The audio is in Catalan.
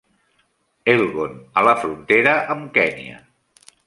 Elgon a la frontera amb Kenya.